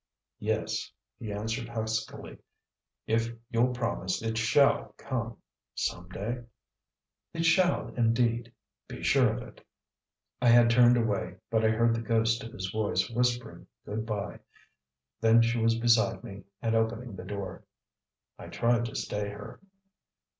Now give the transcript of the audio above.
"Yes," he answered huskily, "if you'll promise it SHALL come some day?" "It shall, indeed. Be sure of it." I had turned away, but I heard the ghost of his voice whispering "good bye." Then she was beside me and opening the door. I tried to stay her.